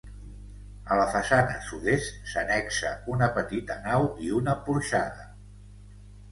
A la façana sud-est s'annexa una petita nau i una porxada.